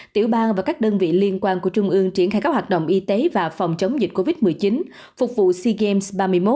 tiểu bang và các đơn vị liên quan của trung ương triển khai các hoạt động y tế và phòng chống dịch covid một mươi chín phục vụ sea games ba mươi một